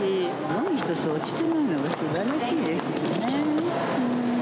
ごみ一つ落ちていないのがすばらしいですよね。